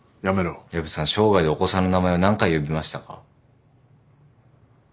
薮さん生涯でお子さんの名前を何回呼びましたか？